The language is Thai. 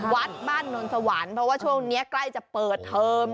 วัดบ้านนนสวรรค์เพราะว่าช่วงนี้ใกล้จะเปิดเทอม